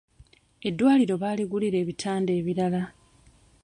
Eddwaliro baaligulira ebitanda ebirala.